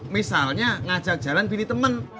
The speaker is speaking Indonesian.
misalnya ngajak jalan pilih teman